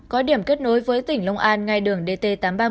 có điểm kết nối với tỉnh long an ngay đường dt tám trăm ba mươi